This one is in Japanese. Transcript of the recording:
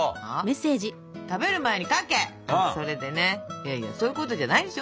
いやいやそういうことじゃないでしょ。